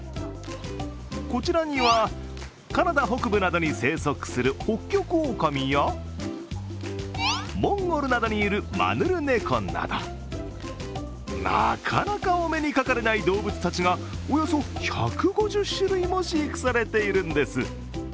こちらには、カナダ北部などに生息するホッキョクオオカミやモンゴルなどにいるマヌルネコなど、なかなかお目にかかれない動物たちがおよそ１５０種類も飼育されているんです。